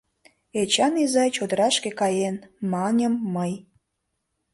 «Эчан изай чодырашке каен», — маньым мый.